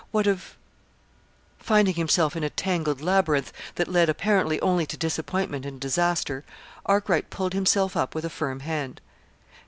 What of Finding himself in a tangled labyrinth that led apparently only to disappointment and disaster, Arkwright pulled himself up with a firm hand.